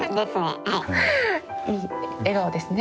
いい笑顔ですね。